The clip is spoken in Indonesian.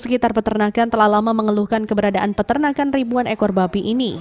sekitar peternakan telah lama mengeluhkan keberadaan peternakan ribuan ekor babi ini